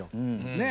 ねえ。